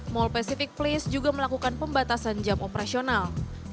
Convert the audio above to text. mall pacific place juga melakukan pembatasan jam operasional